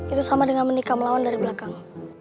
itu sama dengan menikah melawan dari belakang